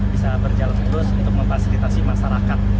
bisa berjalan terus untuk memfasilitasi masyarakat